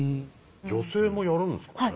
女性もやるんですかね。